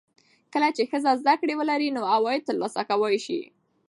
کله چې ښځه زده کړه ولري، نو عواید ترلاسه کولی شي.